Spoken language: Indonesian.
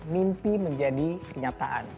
mimpi menjadi kenyataan